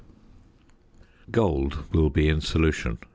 Gold will be in solution.